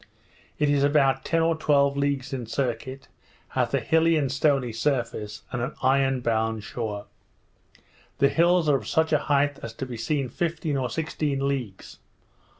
It is about ten or twelve leagues in circuit, hath a hilly and stony surface, and an iron bound shore. The hills are of such a height as to be seen fifteen or sixteen leagues.